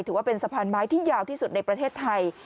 ถือว่าเป็นสะพานไม้ที่ยาวที่สุดในประเทศไทย